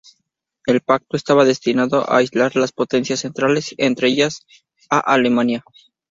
El pacto estaba destinado a aislar a las Potencias Centrales, entre ellas a Alemania.